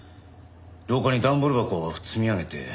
廊下に段ボール箱を積み上げて。